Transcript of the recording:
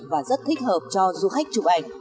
và rất thích hợp cho du khách chụp ảnh